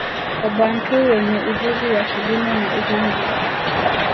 Wabantu wenye ujuzi wa kilimo na uhunzi